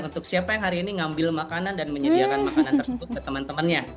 untuk siapa yang hari ini ngambil makanan dan menyediakan makanan tersebut ke teman temannya